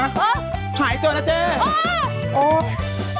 เจไปแบบนี้แล้วกัน